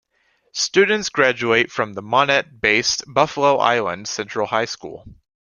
Students graduate from the Monette-based Buffalo Island Central High School.